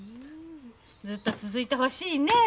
ずっと続いてほしいねえ。